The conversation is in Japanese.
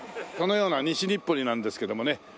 そのような西日暮里なんですけどもね。